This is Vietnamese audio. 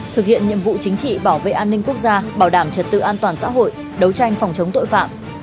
thực hiện nhiệm vụ chính trị bảo vệ an ninh quốc gia bảo đảm trật tự an toàn xã hội đấu tranh phòng chống tội phạm